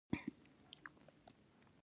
تقابل پر مهال تجدید بحث رامیدان ته شو.